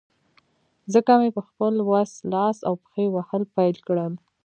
ځکه مې په خپل وس، لاس او پښې وهل پیل کړل.